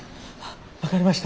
分かりました。